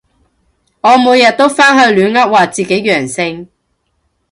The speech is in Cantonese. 我每日都返去亂噏話自己陽性